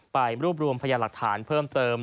ไปรวบรวมพยาหลักฐานเพิ่มเติม